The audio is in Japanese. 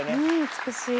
美しい。